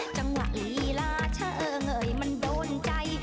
จังหวะลีลาเธอเออเงยมันโดนใจ